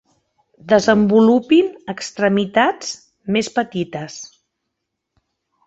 Desenvolupin extremitats més petites.